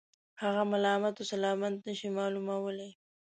هغه ملامت و سلامت نه شي معلومولای.